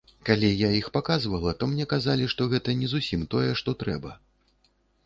Калі я іх паказвала, то мне казалі, што гэта не зусім тое, што трэба.